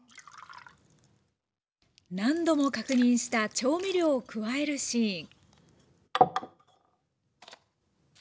何度も確認した調味料を加えるシーン